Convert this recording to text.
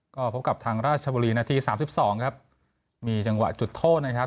ก็พบกับทางราชบุรีนาทีสามสิบสองครับมีจังหวะจุดโทษนะครับ